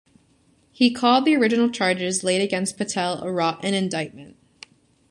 He called the original charges laid against Patel a "rotten indictment.".